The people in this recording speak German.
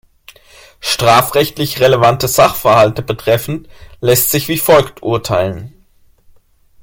Strafrechtlich relevante Sachverhalte betreffend, lässt sich wie folgt urteilen.